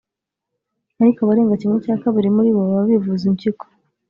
Ariko abarenga kimwe cya kabiri muri bo baba bivuza impyiko